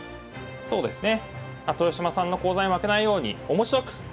そうですね。